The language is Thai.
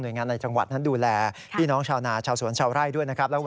โดยงานในจังหวัดนั้นดูแลพี่น้องชาวนาชาวสวนชาวไร่ด้วยนะครับ